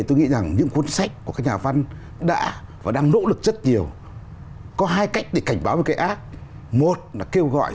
thì cái tốt đẹp